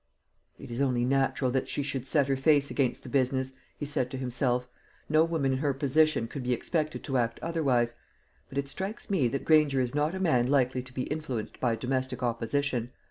"It is only natural that she should set her face against the business," he said to himself; "no woman in her position could be expected to act otherwise; but it strikes me that Granger is not a man likely to be influenced by domestic opposition.